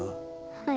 はい。